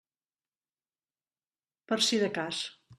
Per si de cas.